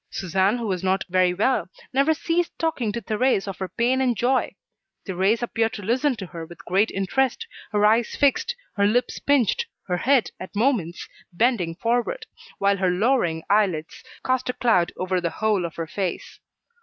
Suzanne, who was not very well, never ceased talking to Thérèse of her pain and joy. Thérèse appeared to listen to her with great interest, her eyes fixed, her lips pinched, her head, at moments, bending forward; while her lowering eyelids cast a cloud over the whole of her face.